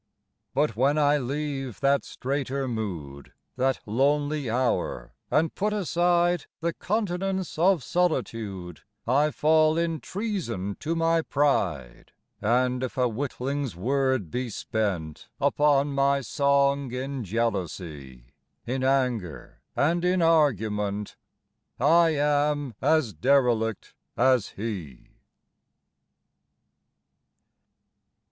But when I leave that straiter mood, That lonely hour, and put aside The continence of solitude, I fall in treason to my pride, And if a witling's word be spent Upon my song in jealousy, In anger and in argument I am as derelict as he.